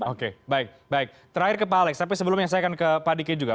oke baik baik terakhir ke pak alex tapi sebelumnya saya akan ke pak diki juga